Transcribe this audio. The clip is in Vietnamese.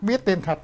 biết tên thật